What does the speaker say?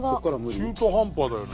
中途半端だよね。